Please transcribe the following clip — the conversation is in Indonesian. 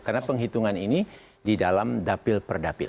karena penghitungan ini di dalam dapil per dapil